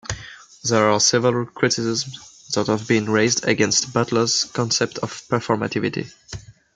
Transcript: There are several criticisms that have been raised against Butler's concept of performativity.